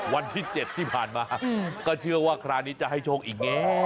วันที่๗ที่ผ่านมาก็เชื่อว่าคราวนี้จะให้โชคอีกแล้ว